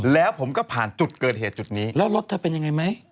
แล้วผมก็ผ่านจุดเกิดเหตุจุดนี้แล้วรถเธอเป็นยังไงไหม